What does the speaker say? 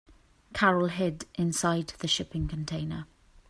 Carol hid inside the shipping container.